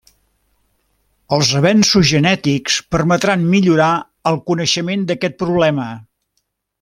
Els avenços genètics permetran millorar el coneixement d'aquest problema.